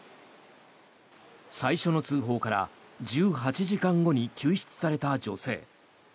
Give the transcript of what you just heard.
最初の通報から１８時間後に救出された女性。